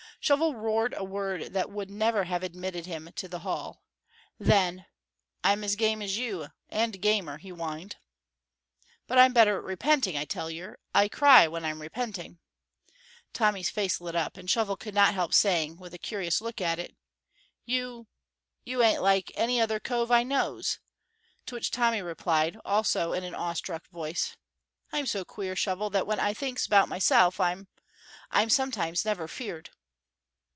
Shovel roared a word that would never have admitted him to the hall. Then, "I'm as game as you, and gamer," he whined. "But I'm better at repenting. I tell yer, I'll cry when I'm repenting." Tommy's face lit up, and Shovel could not help saying, with a curious look at it: "You you ain't like any other cove I knows," to which Tommy replied, also in an awe struck voice: "I'm so queer, Shovel, that when I thinks 'bout myself I'm I'm sometimes near feared."